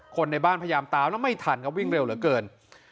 คนในบ้านพยายามตามแล้วไม่ทันครับวิ่งเร็วเหลือเกิน